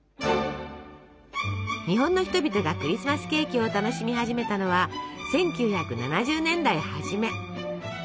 日本の人々がクリスマスケーキを楽しみ始めたのは１９７０年代はじめ。